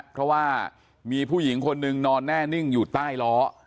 เพราะว่ามีผู้หญิงคนนึงนอนแน่นิ่งอยู่ใต้ล้อ